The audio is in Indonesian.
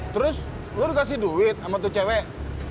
terus lo udah kasih duit sama tuh cewek